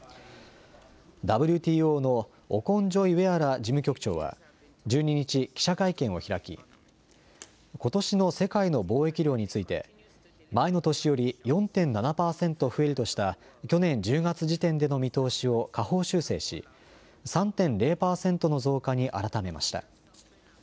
ＷＴＯのオコンジョイウェアラ事務局長は１２日、記者会見を開きことしの世界の貿易量について前の年より４．７％増えるとした去年１０月時点での見通しを下方修正し３．０％の増加に改めました。